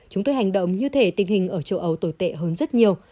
chúng tôi hành động như thế tình hình ở châu âu tồi tệ hơn rất nhiều